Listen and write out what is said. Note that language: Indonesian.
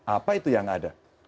apa itu yang ada